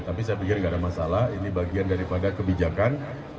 tapi saya pikir nggak ada masalah ini bagian daripada kebijakan